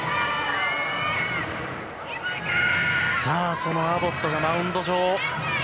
そのアボットが、マウンド上。